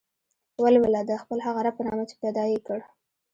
ولوله د خپل هغه رب په نامه چې پيدا يې کړ.